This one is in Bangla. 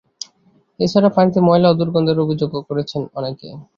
এ ছাড়া পানিতে ময়লা ও দুর্গন্ধের অভিযোগও করেছেন অনেকে।